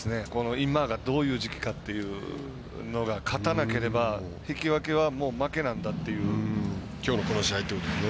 今がどういう時期かというのが勝たなければ引き分けはもう負けなんだという。